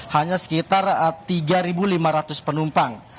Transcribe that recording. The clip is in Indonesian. hanya sekitar tiga lima ratus penumpang